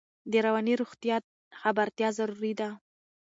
د رواني روغتیا خبرتیا ضروري ده.